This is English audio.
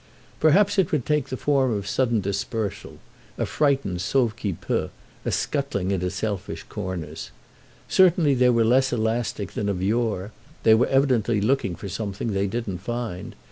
Perhaps it would take the form of sudden dispersal—a frightened sauve qui peut, a scuttling into selfish corners. Certainly they were less elastic than of yore; they were evidently looking for something they didn't find.